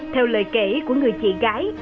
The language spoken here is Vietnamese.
theo lời kể của người chị gái